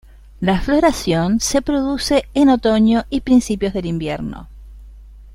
La floración se produce en otoño y principios del invierno.